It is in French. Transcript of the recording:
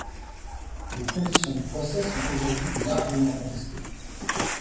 Les conditions du procès sont aujourd’hui largement contestées.